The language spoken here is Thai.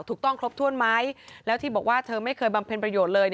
ถูกต้องครบถ้วนไหมแล้วที่บอกว่าเธอไม่เคยบำเพ็ญประโยชน์เลย